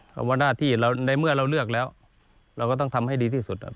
เพราะว่าหน้าที่เราในเมื่อเราเลือกแล้วเราก็ต้องทำให้ดีที่สุด